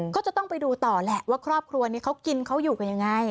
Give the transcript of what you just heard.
ก็จะต้องไปดูต่อแหละว่าครอบครัวนี้เขากินเขาอยู่กันยังไง